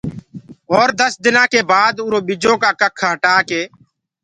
اور دس دنآ ڪي بآد اُرو ٻجو ڪآ ڪک هٽآ ڪي